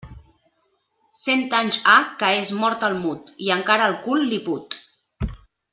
Cent anys ha que és mort el mut, i encara el cul li put.